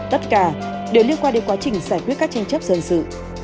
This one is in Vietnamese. tất cả đều liên quan đến quá trình giải quyết các tranh chấp dân sự